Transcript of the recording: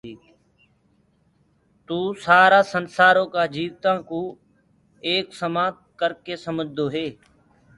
توُ سآرآ سنسآرو ڪآ جيوتآنٚ ڪو ايڪ سمآن ڪرڪي سمجدوئي